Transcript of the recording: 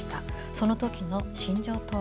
その時の心情とは。